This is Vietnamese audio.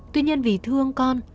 tuy nhiên vì thương con